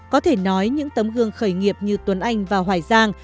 có thể nói những tấm gương khởi nghiệp như tuấn anh và hoài giang